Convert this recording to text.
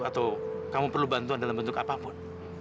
atau kamu perlu bantuan dalam bentuk apapun